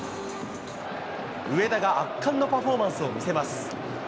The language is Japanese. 上田が圧巻のパフォーマンスを見せます。